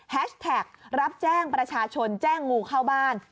แท็กรับแจ้งประชาชนแจ้งงูเข้าบ้าน